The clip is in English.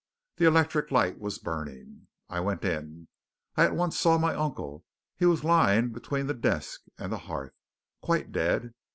The electric light was burning. I went in. I at once saw my uncle he was lying between the desk and the hearth, quite dead.